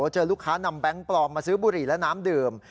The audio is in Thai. เจอลูกค้านำแบงค์ปลอมมาซื้อบุหรี่และน้ำดื่ม